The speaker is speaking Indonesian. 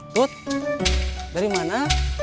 tut dari mana